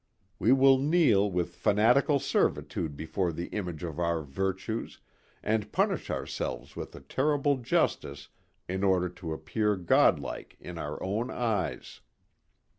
We will kneel with fanatical servitude before the image of our virtues and punish ourselves with a terrible justice in order to appear God like in our own eyes."